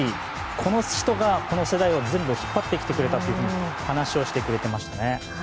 この人が世代を全部引っ張ってきてくれたと話してくれましたね。